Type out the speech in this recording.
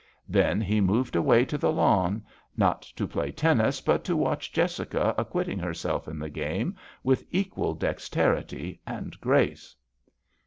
Then he moved away to the lawn, not to play tennis but to watch Jessica acquitting herself in the game with equal dexterity and grace.